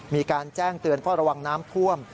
มีการแจ้งเตือนเฝ้าระวังน้ำท่วม